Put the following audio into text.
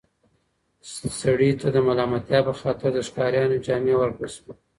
سړي ته د ملامتیا په خاطر د ښکاریانو جامې ورکړل شوې.